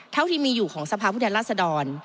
เท่าที่มีอยู่ของสภาพผู้แทนราษดร